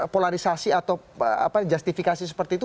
polarisasi atau justifikasi seperti itu